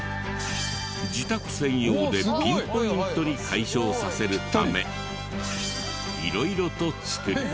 自宅専用でピンポイントに解消させるため色々と作る。